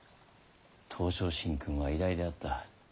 東照神君は偉大であった。